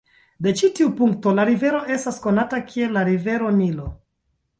De ĉi tiu punkto la rivero estas konata kiel la Rivero Nilo.